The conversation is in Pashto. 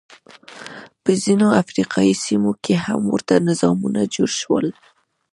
په ځینو افریقايي سیمو کې هم ورته نظامونه جوړ شول.